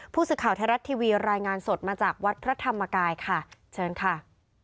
ผู้สื่อข่าวไทยรัฐทีวีรายงานสดมาจากวัดพระธรรมกายค่ะเชิญค่ะ